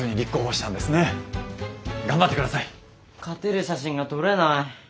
勝てる写真が撮れない。